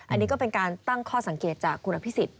อันนี้ก็เป็นการตั้งข้อสังเกตจากคุณอภิษฎ